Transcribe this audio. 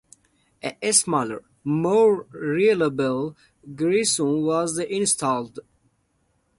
A smaller, more reliable garrison was then installed.